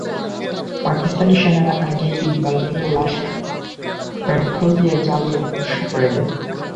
পাকিস্তানি সেনারা আগেই ইকবাল হলের লাশ পেট্রল দিয়ে জ্বালিয়ে ভস্ম করে দেয়।